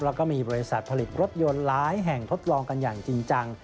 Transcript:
แล้วก็มีบริษัทผลิตรถยนต์หลายแห่งทดลองกันอย่างจริงจัง